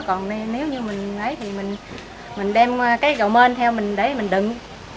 còn nếu như mình lấy thì mình đem cái gạo mên theo mình đấy mình đựng